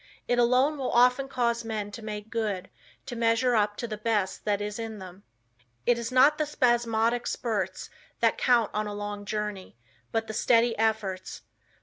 It alone will often cause men to make good; to measure up to the best that is in them. It is not the spasmodic spurts that count on a long journey, but the steady efforts.